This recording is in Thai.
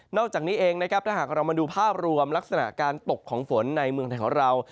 อกจากนี้เองนะครับถ้าหากเรามาดูภาพรวมลักษณะการตกของฝนในเมืองไทยของเรา